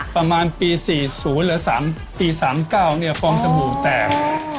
ประมาณปี๔๐หรือ๓ปี๓๙ฟองสบู่แตก